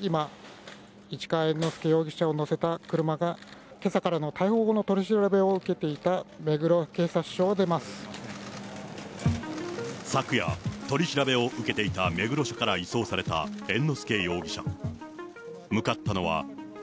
今、市川猿之助容疑者を乗せた車がけさからの逮捕後の取り調べを受け昨夜、取り調べを受けていた目黒署から移送された猿之助容疑者。